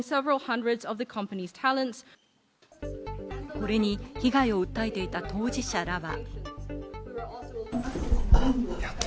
これに被害を訴えていた当事者らは。